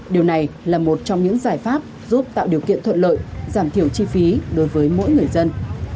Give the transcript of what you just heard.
điều này là một trong những giải pháp giúp tạo điều kiện thuận lợi giảm thiểu chi phí đối với mỗi người dân